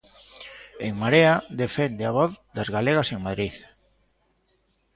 En Marea defende a voz das galegas en Madrid.